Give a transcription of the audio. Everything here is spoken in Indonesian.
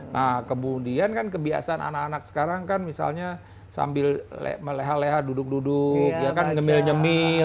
nah kemudian kan kebiasaan anak anak sekarang kan misalnya sambil leha leha duduk duduk ngemil ngemil